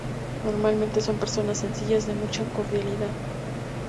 Normalmente son personas sencillas de mucha cordialidad.